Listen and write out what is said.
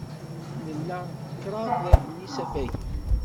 Nla kraḍ n yisafagen.